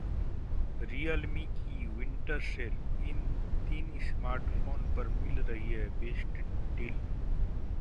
Realme की winter sale: इन तीन स्मार्टफोन पर मिल रही है बेस्ट डील